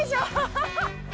ハハハ！